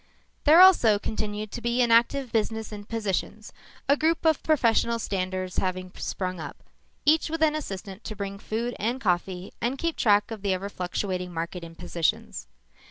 There also continued to be an active business in positions, a group of professional standers having sprung up, each with an assistant to bring food and coffee and keep track of the ever fluctuating market in positions.